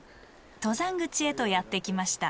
登山口へとやって来ました。